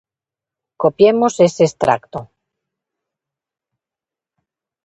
Copiemos ese extracto: